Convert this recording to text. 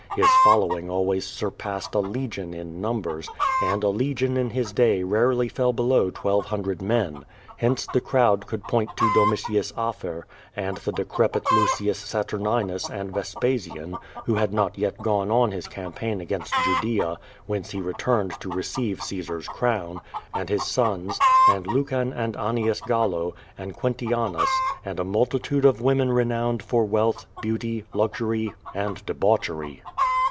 His following always surpassed a legion in numbers, and a legion in his day rarely fell below twelve hundred men. Hence the crowd could point to Domitius Afer, and the decrepit Lucius Saturn inus and Vespasian, who had not yet gone on his campaign against Judea (whence he returned to receive Caesar's crown), and his sons, and Lucan and Annius Gallo, and Quintianus, and a multitude of women renowned for wealth, beauty, luxury, and de bauchery.